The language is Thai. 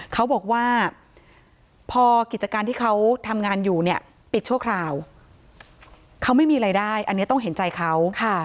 เขาบอกว่าพอกิจการที่เขาทำงานอยู่เนี่ยปิดชั่วคราวเขาไม่มีรายได้อันนี้ต้องเห็นใจเขา